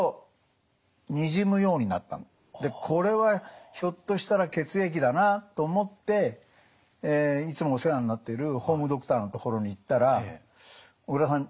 でこれはひょっとしたら血液だなと思っていつもお世話になってるホームドクターのところに行ったら「小倉さん